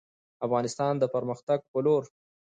افغانستان د پرمختګ په لور